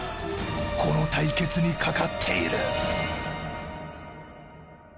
この対決にかかっている。